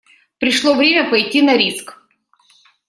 Пришло время пойти на риск.